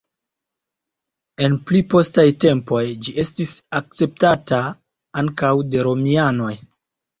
En pli postaj tempoj ĝi estis akceptata ankaŭ de romianoj.